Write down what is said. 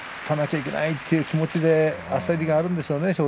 勝たなきゃいけないという気持ちで焦りがあるんでしょうね